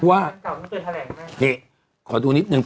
ว่านี่ขอดูนิดนึง